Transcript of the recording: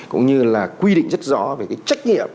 cũng như là quy định rất rõ về cái trách nhiệm